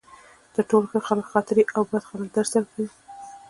تر ټولو ښه خلک خاطرې او بد خلک درس درکوي.